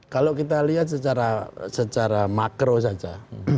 kalau kita lihat secara makro saja